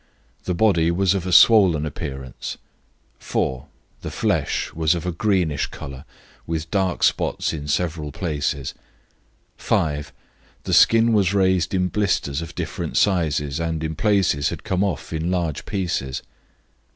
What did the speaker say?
The body was of a swollen appearance. "4. The flesh was of a greenish colour, with dark spots in several places. "5. The skin was raised in blisters of different sizes and in places had come off in large pieces.